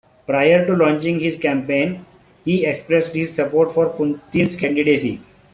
Prior to launching his campaign, he expressed his support for Putin's candidacy.